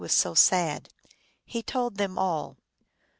325 was so sad. He told them all.